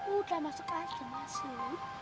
udah masuk aja masih